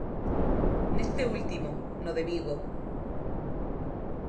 Neste último, no de Vigo.